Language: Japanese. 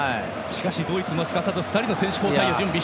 しかし、ドイツもすかさず２人の選手交代を準備。